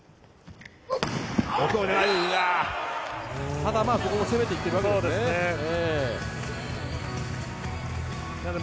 ただ、ここも攻めていっているわけですから。